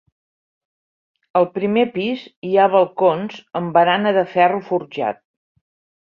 Al primer pis hi ha balcons amb barana de ferro forjat.